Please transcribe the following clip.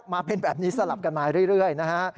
มาเป็นแบบนี้สลับกันมาเรื่อยนะฮะ